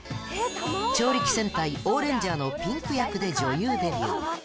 超力戦隊オーレンジャーのピンク役で女優デビュー。